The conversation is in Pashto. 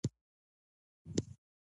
موږ په خپله ژبه کیسې لیکو.